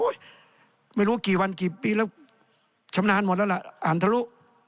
ไม่รู้กี่วันกี่ปีแล้วชำนาญหมดแล้วล่ะอ่านทะลุ